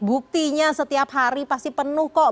buktinya setiap hari pasti penuh kok